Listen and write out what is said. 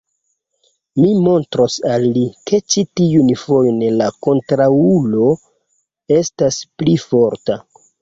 Mi montros al li, ke ĉi tiun fojon la kontraŭulo estas pli forta.